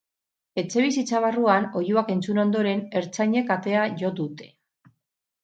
Etxebizitza barruan oihuak entzun ondoren, ertzainek atea jo dute.